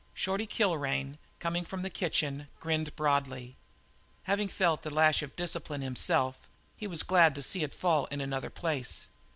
Shorty Kilrain, coming from the kitchen, grinned broadly. Having felt the lash of discipline himself, he was glad to see it fall in another place.